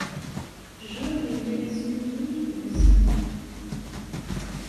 John yella yesnuzuy idlisen.